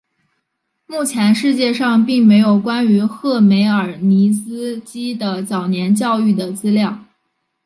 目前世界上并没有关于赫梅尔尼茨基的早年教育的资料。